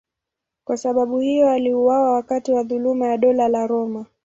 Kwa sababu hiyo aliuawa wakati wa dhuluma ya Dola la Roma.